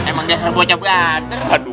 emang dia yang bocap ganteng